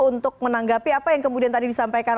untuk menanggapi apa yang kemudian tadi disampaikan